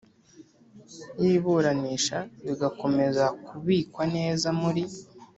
Y iburanisha bigakomeza kubikwa neza muri